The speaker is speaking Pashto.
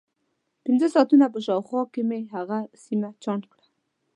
د پنځه ساعتونو په شاوخوا کې مې هغه سیمه چاڼ کړه.